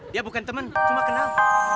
dia bukan temen cuma kenal